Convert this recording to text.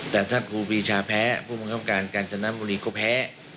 แต่ถ้าครูปีชาแพ้ผู้บังคับการกาญจนบุรีก็แพ้